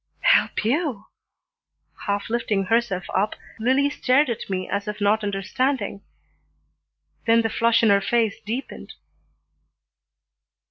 "Help you " Half lifting herself up, Lillie stared at me as if not understanding, then the flush in her face deepened.